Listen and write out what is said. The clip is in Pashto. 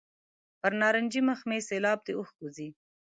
پر نارنجي مخ مې سېلاب د اوښکو ځي.